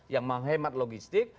yang menghemat logistik